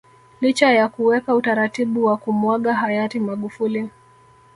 Licha ya kuweka utaratibu wa kumuaga Hayati Magufuli